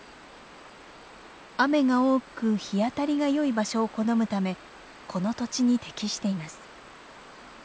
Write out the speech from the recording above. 雨が多く日当たりがよい場所を好むためこの土地に適しています。